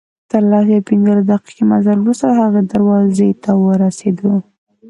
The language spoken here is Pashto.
تر لس یا پنځلس دقیقې مزل وروسته هغې دروازې ته ورسېدو.